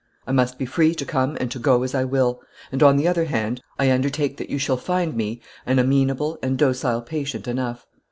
I must be free to come and to go as I will; and on the other hand, I undertake that you shall find me an amenable and docile patient enough.